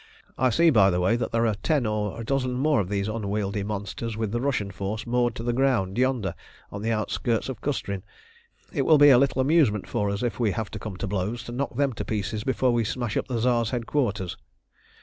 I see, by the way, that there are ten or a dozen more of these unwieldy monsters with the Russian force moored to the ground yonder on the outskirts of Cüstrin. It will be a little amusement for us if we have to come to blows to knock them to pieces before we smash up the Tsar's headquarters.